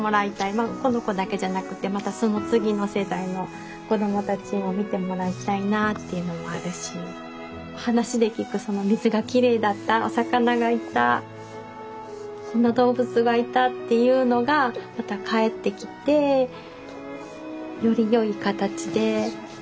まあこの子だけじゃなくてまたその次の世代の子どもたちにも見てもらいたいなあっていうのもあるし話で聞く水がきれいだったお魚がいたこんな動物がいたっていうのがまた帰ってきてよりよい形でうん。